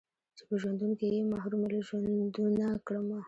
چې په ژوندون کښې يې محرومه له ژوندونه کړمه